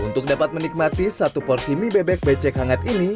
untuk dapat menikmati satu porsi mie bebek becek hangat ini